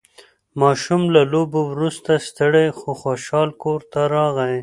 ماشوم له لوبو وروسته ستړی خو خوشحال کور ته راغی